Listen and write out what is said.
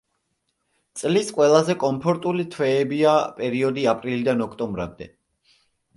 წლის ყველაზე კომფორტული თვეებია პერიოდი აპრილიდან ოქტომბრამდე.